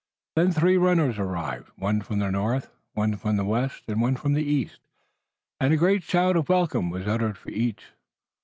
Then three runners arrived, one from the north, one from the west, and one from the east, and a great shout of welcome was uttered for each.